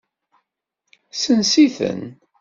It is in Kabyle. Sens-iten.